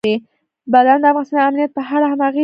بادام د افغانستان د امنیت په اړه هم اغېز لري.